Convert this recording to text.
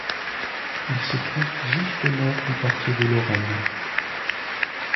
Il se trouve juste au nord du quartier de Lorraine.